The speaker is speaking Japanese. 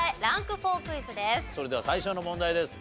それでは最初の問題です。